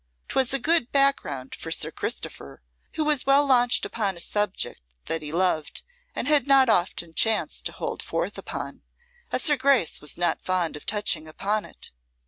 'Twas a good background for Sir Christopher, who was well launched upon a subject that he loved and had not often chance to hold forth upon, as her Grace was not fond of touching upon it.